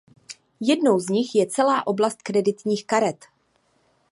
Jednou z nich je celá oblast kreditních karet.